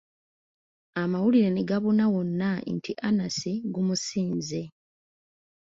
Amawulire ne gabuna wonna nti Anansi gumusinze.